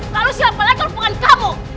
lalu siapa lagi hubungan kamu